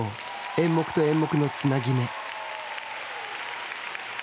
演目と演目のつなぎ目。